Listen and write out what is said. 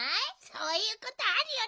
そういうことあるよね。